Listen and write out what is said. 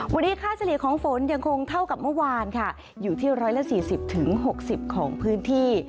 วันนี้ค่าเฉลี่ยของฝนยังคงเท่ากับเมื่อวานค่ะอยู่ที่๑๔๐๖๐ของพื้นที่